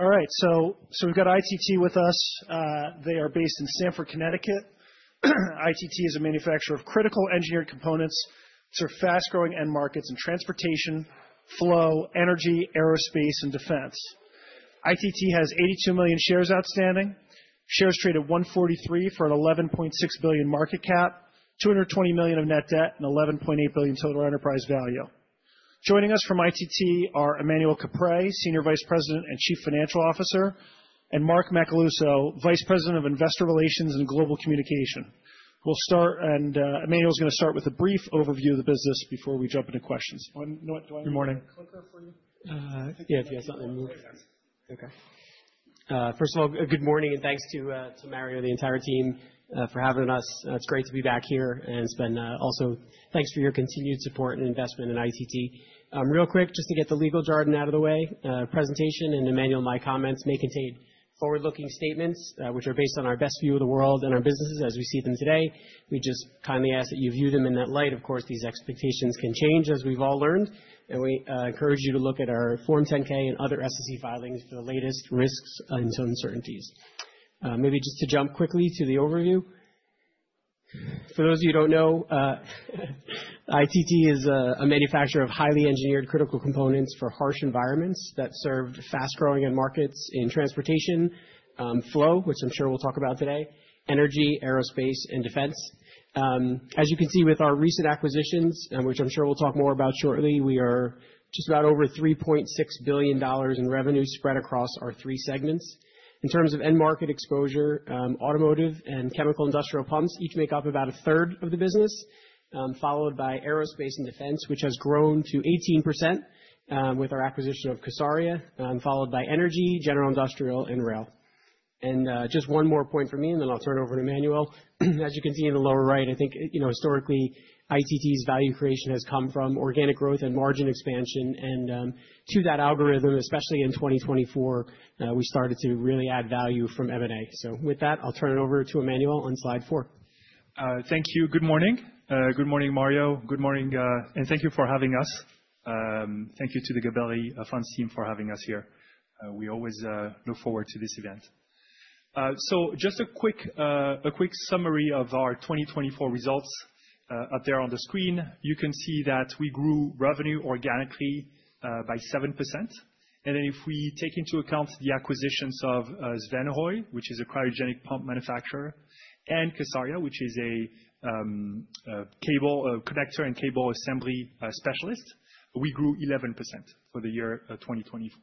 All right, so we've got ITT with us. They are based in Stamford, Connecticut. ITT is a manufacturer of critical engineered components for fast-growing end markets in transportation, flow, energy, aerospace, and defense. ITT has 82 million shares outstanding. Shares traded $143 for an $11.6 billion market cap, $220 million of net debt, and $11.8 billion total enterprise value. Joining us from ITT are Emmanuel Caprais, Senior Vice President and Chief Financial Officer, and Mark Macaluso, Vice President of Investor Relations and Global Communication. We'll start, and Emmanuel's going to start with a brief overview of the business before we jump into questions. Good morning. Yeah, if you guys don't mind. First of all, good morning and thanks to Mario and the entire team for having us. It's great to be back here, and it's been also thanks for your continued support and investment in ITT. Real quick, just to get the legal jargon out of the way, presentation and Emmanuel and my comments may contain forward-looking statements which are based on our best view of the world and our businesses as we see them today. We just kindly ask that you view them in that light. Of course, these expectations can change, as we've all learned, and we encourage you to look at our Form 10-K and other SEC filings for the latest risks and uncertainties. Maybe just to jump quickly to the overview, for those of you who don't know, ITT is a manufacturer of highly engineered critical components for harsh environments that serve fast-growing end markets in transportation, flow, which I'm sure we'll talk about today, energy, aerospace, and defense. As you can see with our recent acquisitions, which I'm sure we'll talk more about shortly, we are just about over $3.6 billion in revenue spread across our three segments. In terms of end market exposure, automotive and chemical industrial pumps each make up about a third of the business, followed by aerospace and defense, which has grown to 18% with our acquisition of kSARIA, followed by energy, general industrial, and rail. And just one more point from me, and then I'll turn it over to Emmanuel. As you can see in the lower right, I think historically ITT's value creation has come from organic growth and margin expansion. And to that algorithm, especially in 2024, we started to really add value from M&A. So with that, I'll turn it over to Emmanuel on slide four. Thank you. Good morning. Good morning, Mario. Good morning. And thank you for having us. Thank you to the Gabelli Funds team for having us here. We always look forward to this event. So just a quick summary of our 2024 results up there on the screen. You can see that we grew revenue organically by 7%. And then if we take into account the acquisitions of Svanehøj, which is a cryogenic pump manufacturer, and kSARIA, which is a connector and cable assembly specialist, we grew 11% for the year 2024.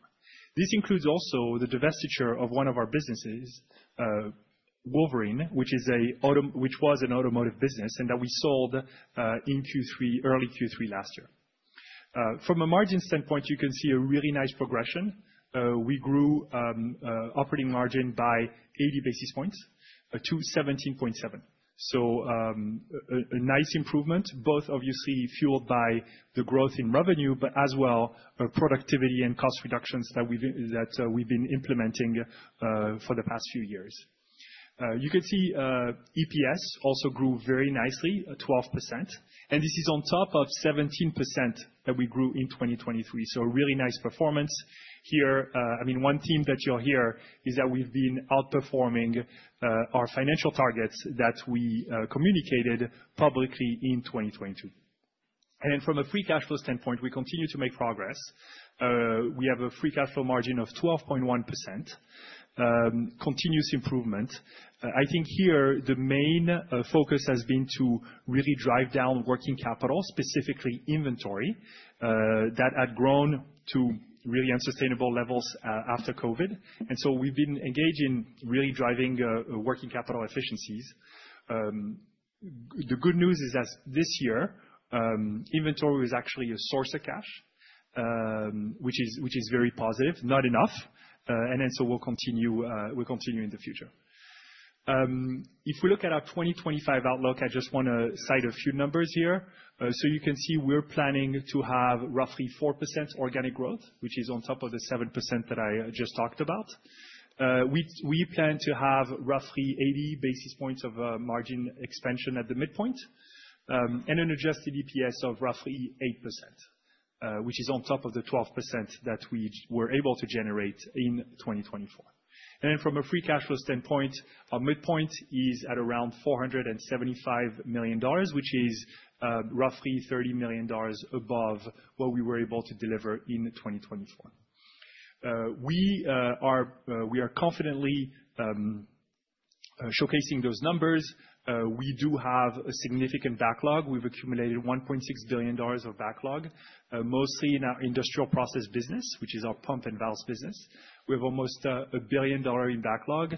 This includes also the divestiture of one of our businesses, Wolverine, which was an automotive business and that we sold in Q3, early Q3 last year. From a margin standpoint, you can see a really nice progression. We grew operating margin by 80 basis points to 17.7%. So a nice improvement, both obviously fueled by the growth in revenue, but as well productivity and cost reductions that we've been implementing for the past few years. You can see EPS also grew very nicely, 12%. And this is on top of 17% that we grew in 2023. So a really nice performance here. I mean, one theme that you'll hear is that we've been outperforming our financial targets that we communicated publicly in 2022. And then from a free cash flow standpoint, we continue to make progress. We have a free cash flow margin of 12.1%, continuous improvement. I think here the main focus has been to really drive down working capital, specifically inventory that had grown to really unsustainable levels after COVID. And so we've been engaged in really driving working capital efficiencies. The good news is that this year inventory was actually a source of cash, which is very positive, not enough, and then so we'll continue in the future. If we look at our 2025 outlook, I just want to cite a few numbers here, so you can see we're planning to have roughly 4% organic growth, which is on top of the 7% that I just talked about. We plan to have roughly 80 basis points of margin expansion at the midpoint and an adjusted EPS of roughly 8%, which is on top of the 12% that we were able to generate in 2024, and then from a free cash flow standpoint, our midpoint is at around $475 million, which is roughly $30 million above what we were able to deliver in 2024. We are confidently showcasing those numbers. We do have a significant backlog. We've accumulated $1.6 billion of backlog, mostly in our industrial process business, which is our pump and valve business. We have almost a billion dollar in backlog,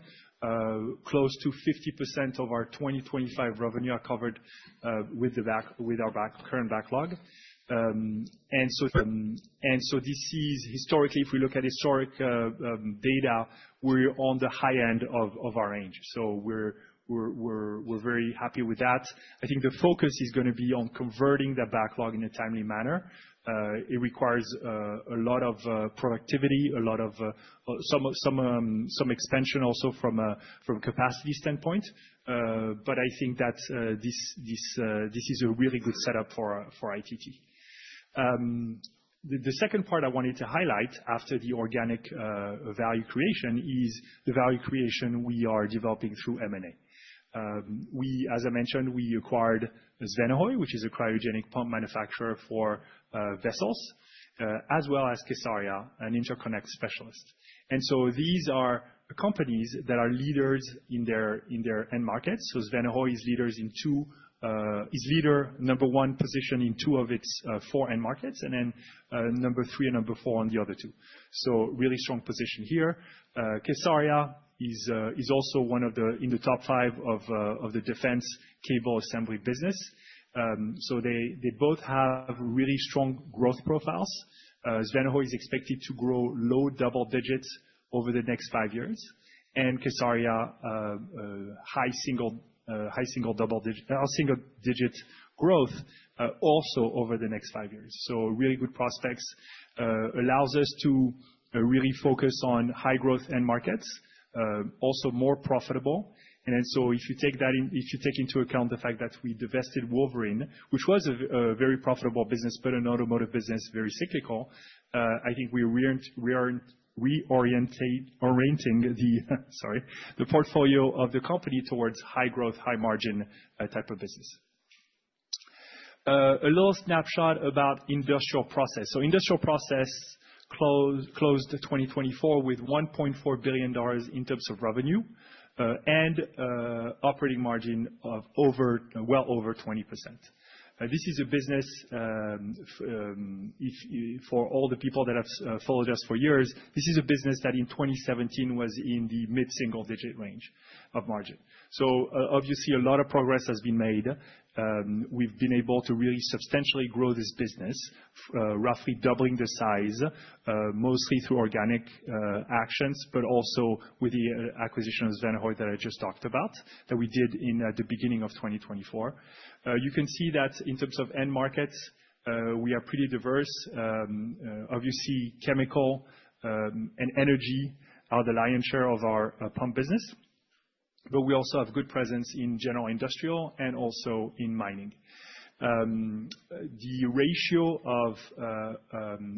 close to 50% of our 2025 revenue are covered with our current backlog. And so, this is historically, if we look at historic data, we're on the high end of our range. So we're very happy with that. I think the focus is going to be on converting that backlog in a timely manner. It requires a lot of productivity, some expansion also from a capacity standpoint. But I think that this is a really good setup for ITT. The second part I wanted to highlight after the organic value creation is the value creation we are developing through M&A. As I mentioned, we acquired Svanehøj, which is a cryogenic pump manufacturer for vessels, as well as kSARIA, an interconnect specialist. And so these are companies that are leaders in their end markets. So Svanehøj is leader in two, is leader number one position in two of its four end markets, and then number three and number four on the other two. So really strong position here. kSARIA is also one of the top five of the defense cable assembly business. So they both have really strong growth profiles. Svanehøj is expected to grow low double digits over the next five years. And kSARIA, high single double digit growth also over the next five years. So really good prospects allows us to really focus on high growth end markets, also more profitable. If you take into account the fact that we divested Wolverine, which was a very profitable business, but an automotive business very cyclical, I think we're reorienting the portfolio of the company towards high growth, high margin type of business. A little snapshot about Industrial Process. So Industrial Process closed 2024 with $1.4 billion in terms of revenue and operating margin of well over 20%. This is a business, for all the people that have followed us for years, this is a business that in 2017 was in the mid-single-digit range of margin. So obviously a lot of progress has been made. We've been able to really substantially grow this business, roughly doubling the size, mostly through organic actions, but also with the acquisition of Svanehøj that I just talked about that we did in the beginning of 2024. You can see that in terms of end markets, we are pretty diverse. Obviously, chemical and energy are the lion's share of our pump business, but we also have good presence in general industrial and also in mining. The ratio of,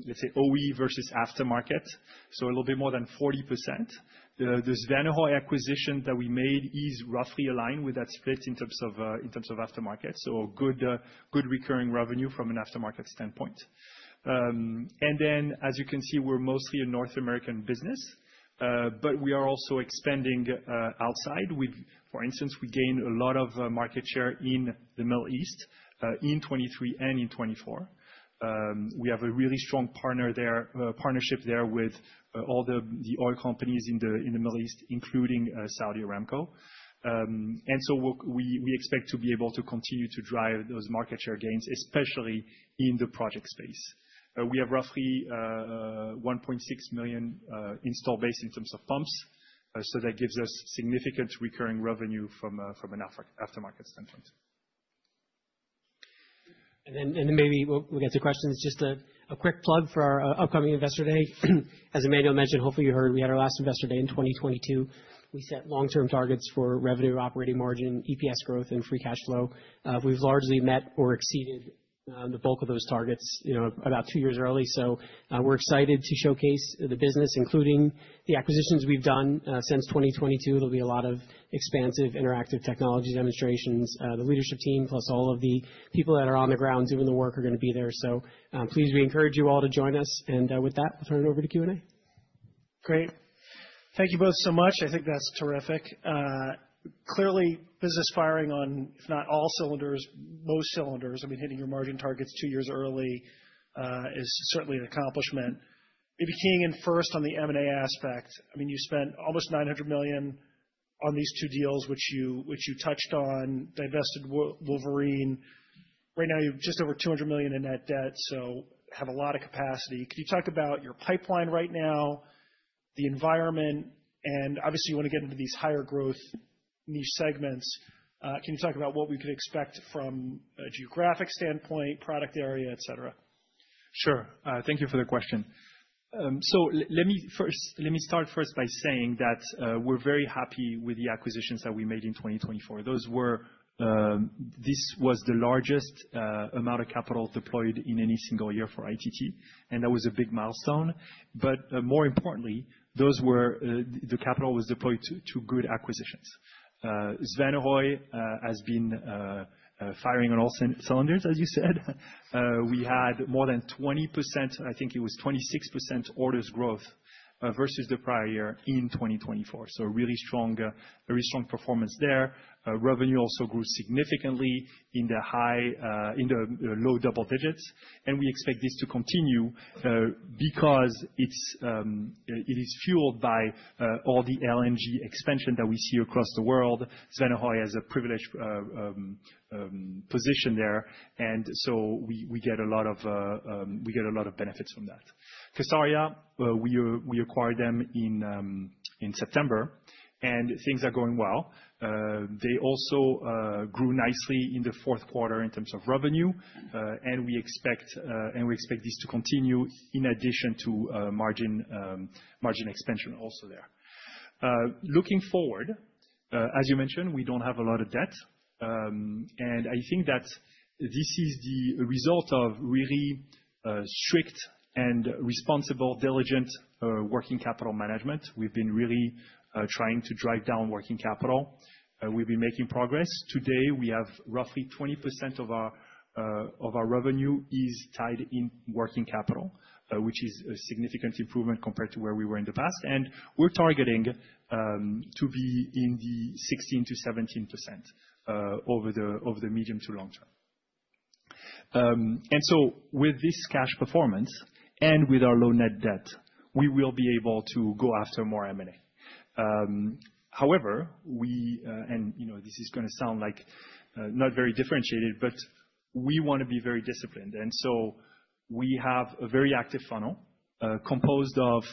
let's say, OE versus aftermarket, so a little bit more than 40%. The Svanehøj acquisition that we made is roughly aligned with that split in terms of aftermarket. So good recurring revenue from an aftermarket standpoint. And then, as you can see, we're mostly a North American business, but we are also expanding outside. For instance, we gained a lot of market share in the Middle East in 2023 and in 2024. We have a really strong partnership there with all the oil companies in the Middle East, including Saudi Aramco. We expect to be able to continue to drive those market share gains, especially in the project space. We have roughly 1.6 million installed base in terms of pumps. That gives us significant recurring revenue from an aftermarket standpoint. And then maybe we'll get to questions. Just a quick plug for our upcoming investor day. As Emmanuel mentioned, hopefully you heard, we had our last investor day in 2022. We set long-term targets for revenue, operating margin, EPS growth, and free cash flow. We've largely met or exceeded the bulk of those targets about two years early. So we're excited to showcase the business, including the acquisitions we've done since 2022. There'll be a lot of expansive interactive technology demonstrations. The leadership team, plus all of the people that are on the ground doing the work, are going to be there. So please, we encourage you all to join us. And with that, we'll turn it over to Q&A. Great. Thank you both so much. I think that's terrific. Clearly, business firing on, if not all cylinders, most cylinders. I mean, hitting your margin targets two years early is certainly an accomplishment. Maybe Q&A first on the M&A aspect. I mean, you spent almost $900 million on these two deals, which you touched on, divested Wolverine. Right now, you're just over $200 million in net debt, so have a lot of capacity. Could you talk about your pipeline right now, the environment? And obviously, you want to get into these higher growth niche segments. Can you talk about what we could expect from a geographic standpoint, product area, etc.? Sure. Thank you for the question. so let me start first by saying that we're very happy with the acquisitions that we made in 2024. This was the largest amount of capital deployed in any single year for ITT. and that was a big milestone. but more importantly, the capital was deployed to good acquisitions. Svanehøj has been firing on all cylinders, as you said. We had more than 20%, I think it was 26% orders growth versus the prior year in 2024. So a really strong performance there. Revenue also grew significantly in the low double digits. and we expect this to continue because it is fueled by all the LNG expansion that we see across the world. Svanehøj has a privileged position there. and so we get a lot of benefits from that. kSARIA, we acquired them in September, and things are going well. They also grew nicely in the fourth quarter in terms of revenue. And we expect this to continue in addition to margin expansion also there. Looking forward, as you mentioned, we don't have a lot of debt. And I think that this is the result of really strict and responsible, diligent working capital management. We've been really trying to drive down working capital. We've been making progress. Today, we have roughly 20% of our revenue is tied in working capital, which is a significant improvement compared to where we were in the past. And we're targeting to be in the 16%-17% over the medium to long term. And so with this cash performance and with our low net debt, we will be able to go after more M&A. However, and this is going to sound like not very differentiated, but we want to be very disciplined. And so we have a very active funnel composed of,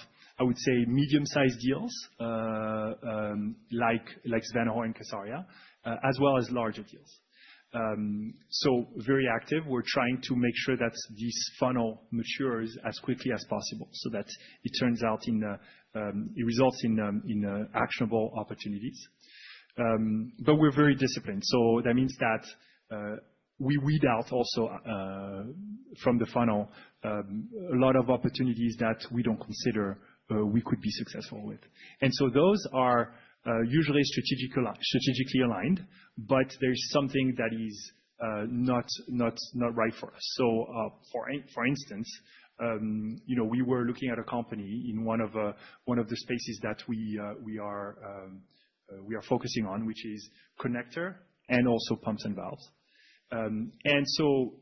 I would say, medium-sized deals like Svanehøj and kSARIA, as well as larger deals. So very active. We're trying to make sure that this funnel matures as quickly as possible so that it results in actionable opportunities. But we're very disciplined. So that means that we weed out also from the funnel a lot of opportunities that we don't consider we could be successful with. And so those are usually strategically aligned, but there's something that is not right for us. So for instance, we were looking at a company in one of the spaces that we are focusing on, which is connector and also pumps and valves. And so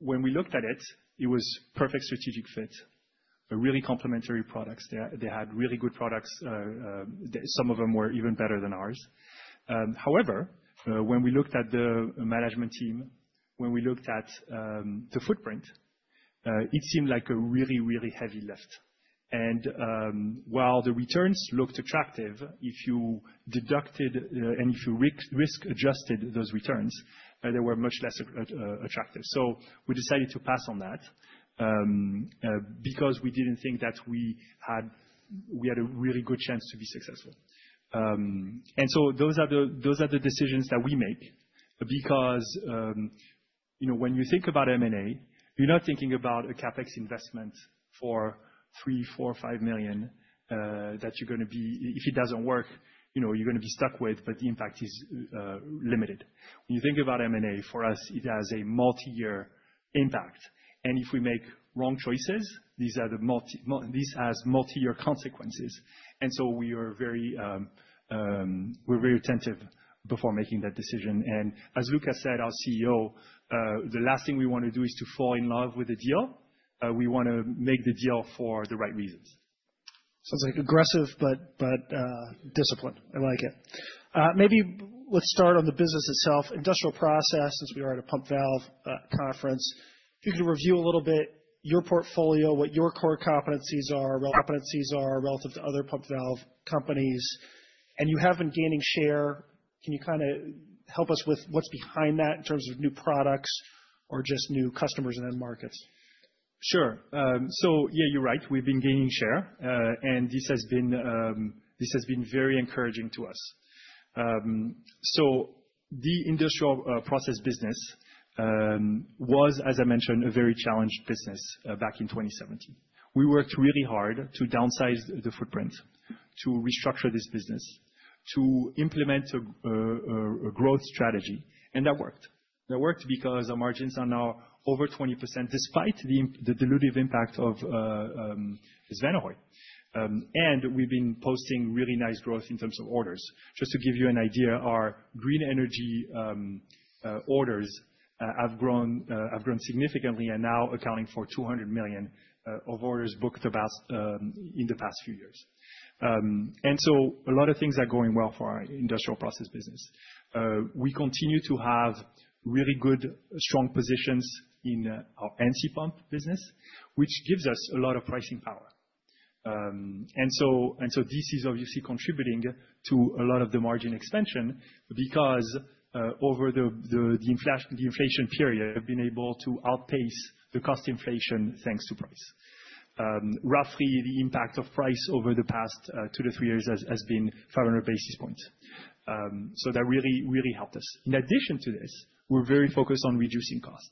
when we looked at it, it was a perfect strategic fit, a really complementary product. They had really good products. Some of them were even better than ours. However, when we looked at the management team, when we looked at the footprint, it seemed like a really, really heavy lift. And while the returns looked attractive, if you deducted and if you risk-adjusted those returns, they were much less attractive. So we decided to pass on that because we didn't think that we had a really good chance to be successful. And so those are the decisions that we make because when you think about M&A, you're not thinking about a CapEx investment for $3 million-$5 million that you're going to be, if it doesn't work, you're going to be stuck with, but the impact is limited. When you think about M&A, for us, it has a multi-year impact. And if we make wrong choices, this has multi-year consequences. And so we're very attentive before making that decision. As Luca said, our CEO, the last thing we want to do is to fall in love with the deal. We want to make the deal for the right reasons. Sounds like aggressive, but disciplined. I like it. Maybe let's start on the business itself, industrial process, since we are at a pump valve conference. If you could review a little bit your portfolio, what your core competencies are, relevancies are relative to other pump valve companies, and you have been gaining share. Can you kind of help us with what's behind that in terms of new products or just new customers and end markets? Sure. So yeah, you're right. We've been gaining share. And this has been very encouraging to us. So the industrial process business was, as I mentioned, a very challenged business back in 2017. We worked really hard to downsize the footprint, to restructure this business, to implement a growth strategy. And that worked. That worked because our margins are now over 20% despite the dilutive impact of Svanehøj. And we've been posting really nice growth in terms of orders. Just to give you an idea, our green energy orders have grown significantly and now accounting for $200 million of orders booked in the past few years. And so a lot of things are going well for our industrial process business. We continue to have really good, strong positions in our ANSI pump business, which gives us a lot of pricing power. This is obviously contributing to a lot of the margin expansion because over the inflation period, we've been able to outpace the cost inflation thanks to price. Roughly the impact of price over the past two to three years has been 500 basis points. So that really helped us. In addition to this, we're very focused on reducing cost.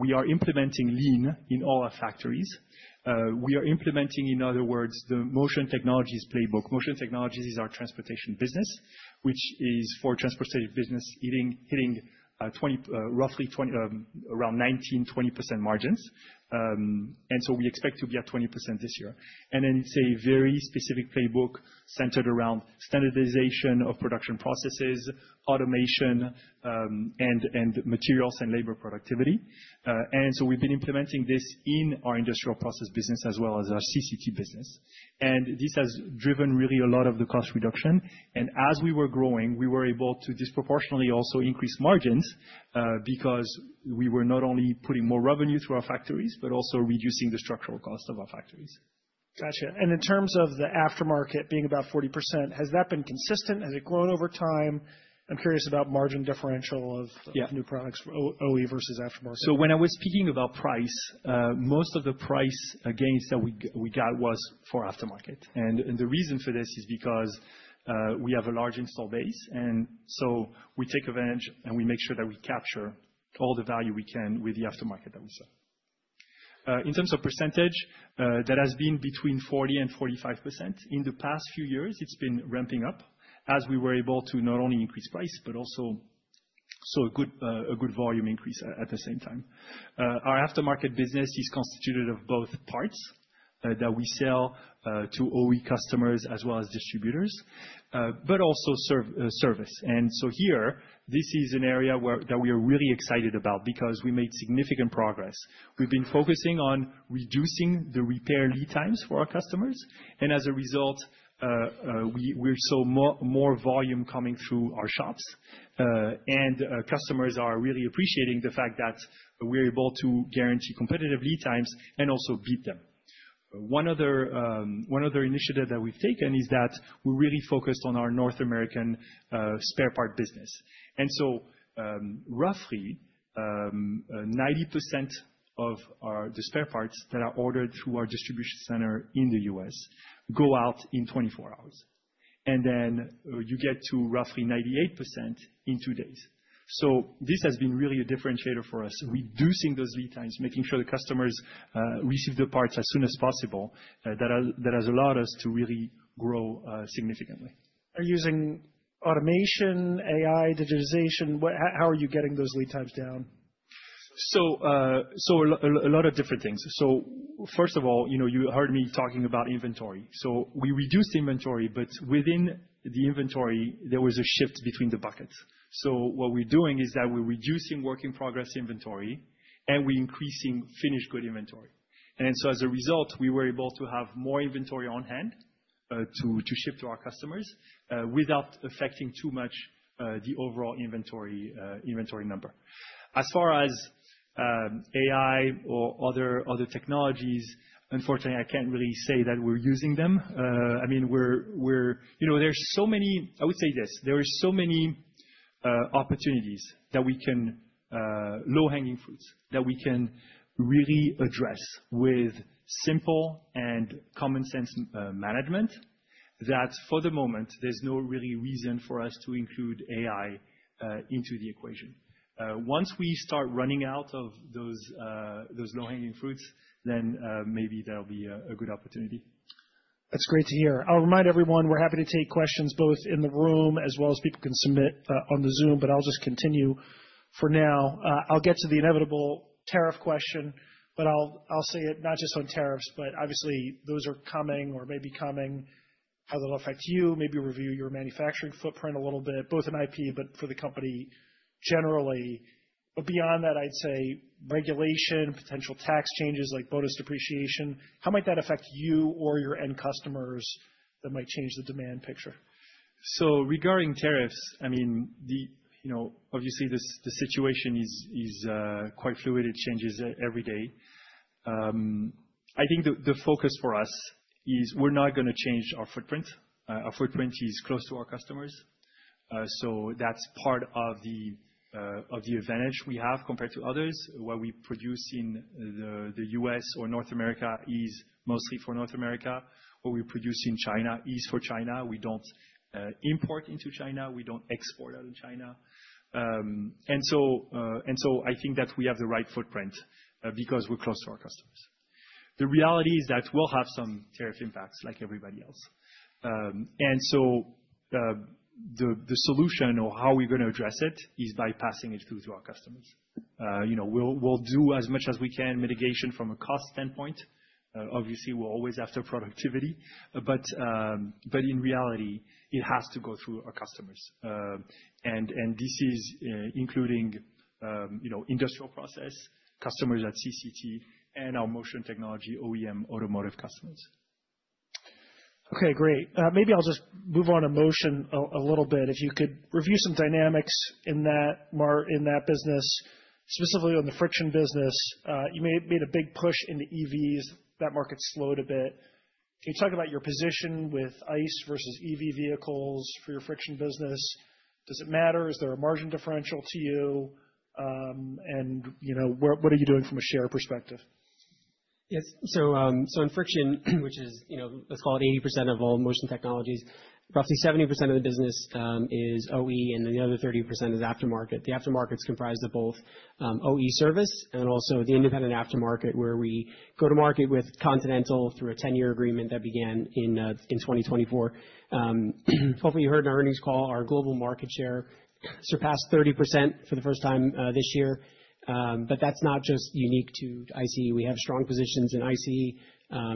We are implementing lean in all our factories. We are implementing, in other words, the Motion Technologies playbook. Motion Technologies is our transportation business, which is for transportation business hitting roughly around 19%-20% margins. We expect to be at 20% this year. It's a very specific playbook centered around standardization of production processes, automation, and materials and labor productivity. We've been implementing this in our Industrial Process business as well as our CCT business. This has driven really a lot of the cost reduction. As we were growing, we were able to disproportionately also increase margins because we were not only putting more revenue through our factories, but also reducing the structural cost of our factories. Gotcha. And in terms of the aftermarket being about 40%, has that been consistent? Has it grown over time? I'm curious about margin differential of new products, OE versus aftermarket. So when I was speaking about price, most of the price gains that we got was for aftermarket. And the reason for this is because we have a large installed base. And so we take advantage and we make sure that we capture all the value we can with the aftermarket that we sell. In terms of percentage, that has been between 40% and 45%. In the past few years, it's been ramping up as we were able to not only increase price, but also saw a good volume increase at the same time. Our aftermarket business is constituted of both parts that we sell to OE customers as well as distributors, but also service. And so here, this is an area that we are really excited about because we made significant progress. We've been focusing on reducing the repair lead times for our customers. As a result, we're seeing more volume coming through our shops. And customers are really appreciating the fact that we're able to guarantee competitive lead times and also beat them. One other initiative that we've taken is that we're really focused on our North American spare part business. And so roughly 90% of the spare parts that are ordered through our distribution center in the U.S. go out in 24 hours. And then you get to roughly 98% in two days. So this has been really a differentiator for us, reducing those lead times, making sure the customers receive the parts as soon as possible. That has allowed us to really grow significantly. Are you using automation, AI, digitization? How are you getting those lead times down? So a lot of different things. So first of all, you heard me talking about inventory. So we reduced inventory, but within the inventory, there was a shift between the buckets. So what we're doing is that we're reducing work in progress inventory and we're increasing finished good inventory. And so as a result, we were able to have more inventory on hand to ship to our customers without affecting too much the overall inventory number. As far as AI or other technologies, unfortunately, I can't really say that we're using them. I mean, there are so many low-hanging fruits, opportunities that we can really address with simple and common-sense management that for the moment, there's no really reason for us to include AI into the equation. Once we start running out of those low-hanging fruits, then maybe there'll be a good opportunity. That's great to hear. I'll remind everyone we're happy to take questions both in the room as well as people can submit on the Zoom, but I'll just continue for now. I'll get to the inevitable tariff question, but I'll say it not just on tariffs, but obviously, those are coming or may be coming, how they'll affect you, maybe review your manufacturing footprint a little bit, both in IP, but for the company generally. But beyond that, I'd say regulation, potential tax changes like bonus depreciation, how might that affect you or your end customers that might change the demand picture? So regarding tariffs, I mean, obviously, the situation is quite fluid. It changes every day. I think the focus for us is we're not going to change our footprint. Our footprint is close to our customers. So that's part of the advantage we have compared to others. What we produce in the U.S. or North America is mostly for North America. What we produce in China is for China. We don't import into China. We don't export out of China. And so I think that we have the right footprint because we're close to our customers. The reality is that we'll have some tariff impacts like everybody else. And so the solution or how we're going to address it is by passing it through to our customers. We'll do as much as we can mitigation from a cost standpoint. Obviously, we're always after productivity. But in reality, it has to go through our customers. And this is including Industrial Process, customers at CCT, and our Motion Technologies OEM automotive customers. Okay, great. Maybe I'll just move on to Motion a little bit. If you could review some dynamics in that business, specifically on the friction business. You made a big push into EVs. That market slowed a bit. Can you talk about your position with ICE versus EV vehicles for your friction business? Does it matter? Is there a margin differential to you? And what are you doing from a share perspective? Yes. So in friction, which is, let's call it 80% of all Motion Technologies, roughly 70% of the business is OE and the other 30% is aftermarket. The aftermarket is comprised of both OE service and also the independent aftermarket where we go to market with Continental through a 10-year agreement that began in 2024. Hopefully, you heard in our earnings call, our global market share surpassed 30% for the first time this year. But that's not just unique to ICE. We have strong positions in ICE,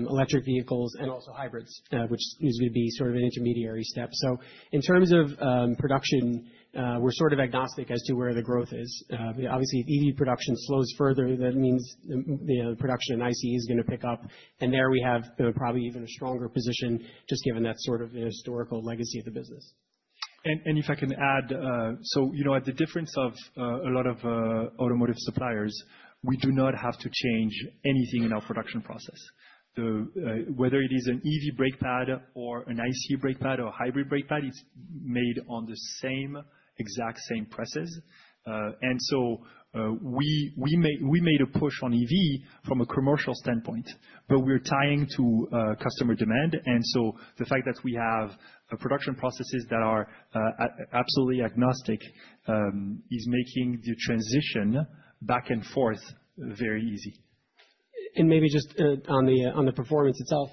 electric vehicles, and also hybrids, which is going to be sort of an intermediary step. So in terms of production, we're sort of agnostic as to where the growth is. Obviously, if EV production slows further, that means the production in ICE is going to pick up. There we have probably even a stronger position just given that sort of historical legacy of the business. If I can add, so unlike a lot of automotive suppliers, we do not have to change anything in our production process. Whether it is an EV brake pad or an ICE brake pad or a hybrid brake pad, it's made on the same exact presses. So we made a push on EV from a commercial standpoint, but we're tied to customer demand. So the fact that we have production processes that are absolutely agnostic is making the transition back and forth very easy. Maybe just on the performance itself.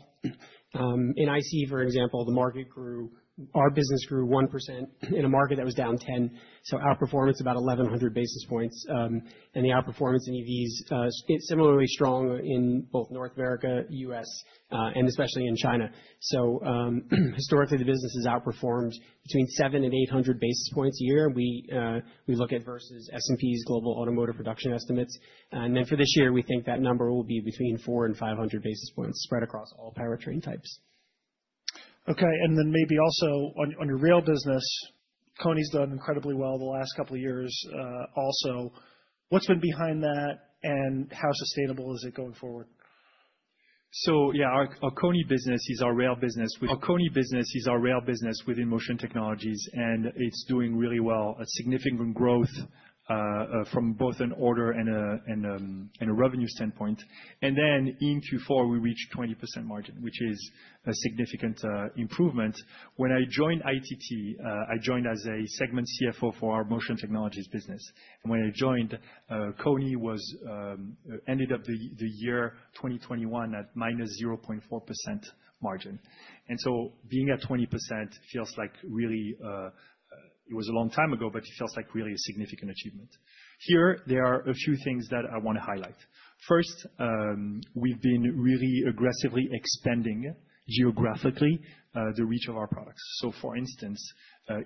In ICE, for example, the market grew, our business grew 1% in a market that was down 10%. So outperformance about 1,100 basis points. The outperformance in EVs is similarly strong in both North America, U.S., and especially in China. Historically, the business has outperformed between 700 and 800 basis points a year. We look at versus S&P's global automotive production estimates. Then for this year, we think that number will be between 400 and 500 basis points spread across all powertrain types. Okay. And then maybe also on your rail business, Koni's done incredibly well the last couple of years also. What's been behind that and how sustainable is it going forward? So yeah, our Koni business is our rail business. Our Koni business is our rail business within Motion Technologies. And it's doing really well, a significant growth from both an order and a revenue standpoint. And then in Q4, we reached 20% margin, which is a significant improvement. When I joined ITT, I joined as a segment CFO for our Motion Technologies business. And when I joined, Koni ended up the year 2021 at -0.4% margin. And so being at 20% feels like really it was a long time ago, but it feels like really a significant achievement. Here, there are a few things that I want to highlight. First, we've been really aggressively expanding geographically the reach of our products. So for instance,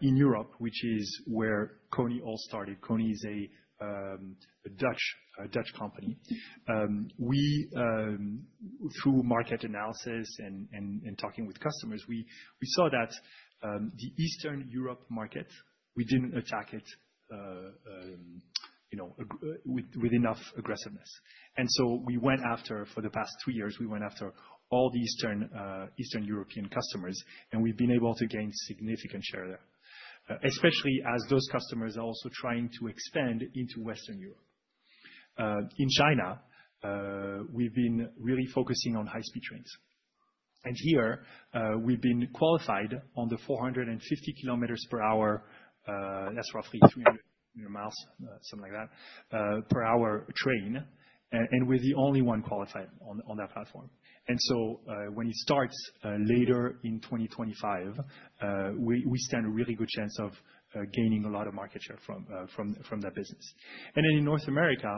in Europe, which is where Koni all started, Koni is a Dutch company. Through market analysis and talking with customers, we saw that the Eastern Europe market, we didn't attack it with enough aggressiveness, and so we went after, for the past three years, we went after all the Eastern European customers. And we've been able to gain significant share there, especially as those customers are also trying to expand into Western Europe. In China, we've been really focusing on high-speed trains. And here, we've been qualified on the 450 km per hour, that's roughly 300 mi, something like that, per hour train. And we're the only one qualified on that platform. And so when it starts later in 2025, we stand a really good chance of gaining a lot of market share from that business. And then in North America,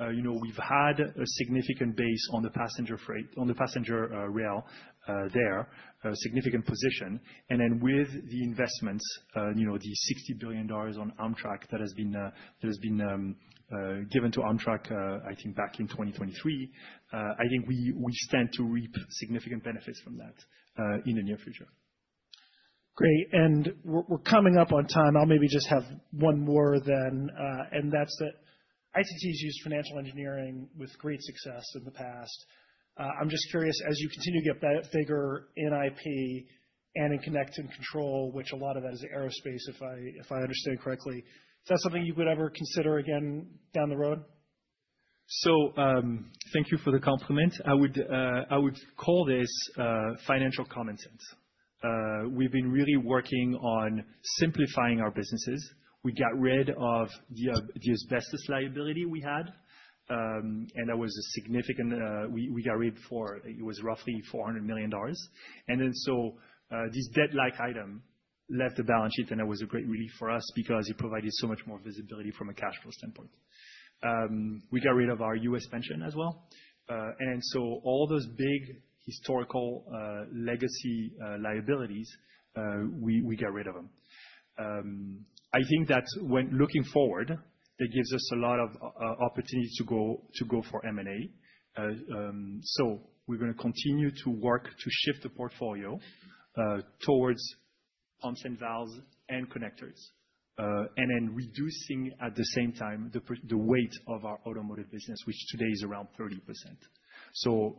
we've had a significant base on the passenger rail there, a significant position. With the investments, the $60 billion on Amtrak that has been given to Amtrak, I think back in 2023, I think we stand to reap significant benefits from that in the near future. Great. And we're coming up on time. I'll maybe just have one more then. And that's that ITT has used financial engineering with great success in the past. I'm just curious, as you continue to get bigger in IP and in Connect and Control, which a lot of that is aerospace, if I understand correctly, is that something you would ever consider again down the road? So thank you for the compliment. I would call this financial common sense. We've been really working on simplifying our businesses. We got rid of the asbestos liability we had. And that was a significant. We got rid of it for roughly $400 million. And then so this debt-like item left the balance sheet, and it was a great relief for us because it provided so much more visibility from a cash flow standpoint. We got rid of our U.S. pension as well. And so all those big historical legacy liabilities, we got rid of them. I think that when looking forward, that gives us a lot of opportunity to go for M&A. So we're going to continue to work to shift the portfolio towards pumps and valves and connectors, and then reducing at the same time the weight of our automotive business, which today is around 30%. So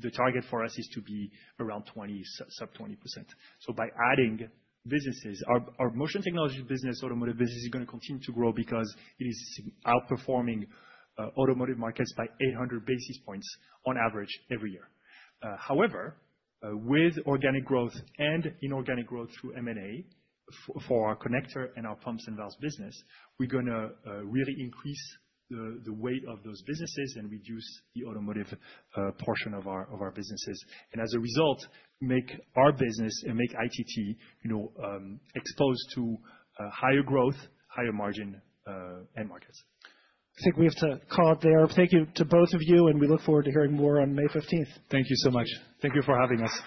the target for us is to be around 20%, sub-20%. So by adding businesses, our Motion Technologies business, automotive business is going to continue to grow because it is outperforming automotive markets by 800 basis points on average every year. However, with organic growth and inorganic growth through M&A for our connector and our pumps and valves business, we're going to really increase the weight of those businesses and reduce the automotive portion of our businesses. And as a result, make our business and make ITT exposed to higher growth, higher margin end markets. I think we have to call it there. Thank you to both of you, and we look forward to hearing more on May 15th. Thank you so much. Thank you for having us.